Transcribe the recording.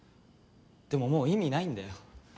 でももう意味ないんだよ。